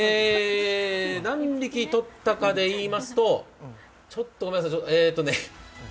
何匹とったかでいいますと、ちょっとごめんなさい。